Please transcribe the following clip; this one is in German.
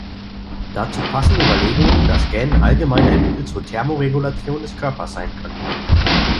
Dazu passen Überlegungen, dass Gähnen allgemein ein Mittel zur Thermoregulation des Körpers sein könnte.